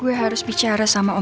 gue harus bicara sama dia ya